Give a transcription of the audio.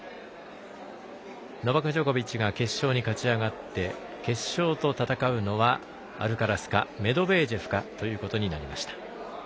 ノバク・ジョコビッチが決勝に勝ち上がって決勝と戦うのはアルカラスかメドベージェフかということになりました。